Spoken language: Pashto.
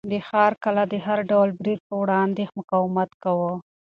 د ښار کلا د هر ډول برید په وړاندې مقاومت کاوه.